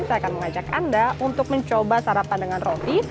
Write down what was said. saya akan mengajak anda untuk mencoba sarapan dengan roti